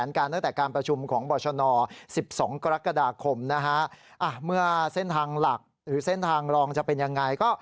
แล้วก็ทีบอกว่าซ้อมซ้อมไปเฉย